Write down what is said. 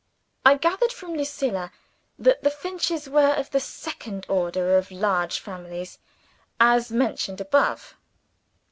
I gathered from Lucilla that the Finches were of the second order of large families, as mentioned above.